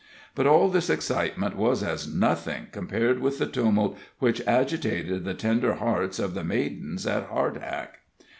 But all this excitement was as nothing compared with the tumult which agitated the tender hearts of the maidens at Hardhack.